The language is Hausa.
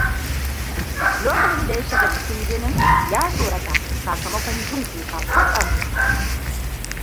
Lokacin da ya shiga cikin ginin, ya tsorata sakamakon jin kuka kwatsam.